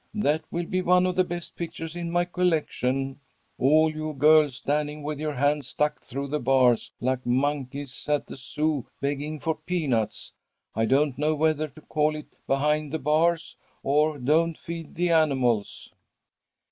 That will be one of the best pictures in my collection. All you girls standing with your hands stuck through the bars, like monkeys at the Zoo, begging for peanuts. I don't know whether to call it "Behind the Bars," or "Don't Feed the Animals."'